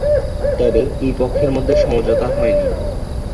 তবে, দুই পক্ষের মধ্যে সমঝোতা হয়নি।